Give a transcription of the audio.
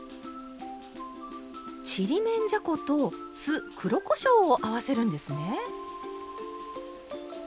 ちりめんじゃこと酢黒こしょうを合わせるんですね！